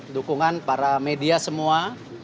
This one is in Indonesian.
dukungan para media semua